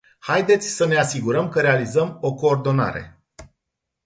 Haideți să ne asigurăm că realizăm o coordonare.